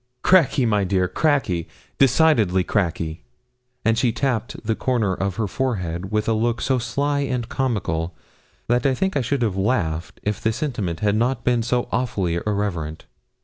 Cracky, my dear, cracky decidedly cracky!' And she tapped the corner of her forehead, with a look so sly and comical, that I think I should have laughed, if the sentiment had not been so awfully irreverent.